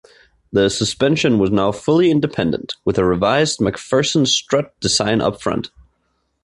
The suspension was now fully independent, with a revised MacPherson-Strut design up front.